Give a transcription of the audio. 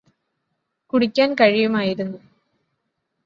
കുടിക്കാന് കഴിയുമായിരുന്നു